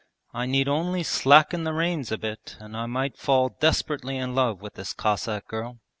'I need only slacken the reins a bit and I might fall desperately in love with this Cossack girl.'